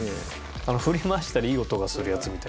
振り回したらいい音がするやつみたい。